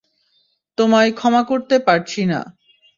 তোমায় ক্ষমা করতে পারছি না।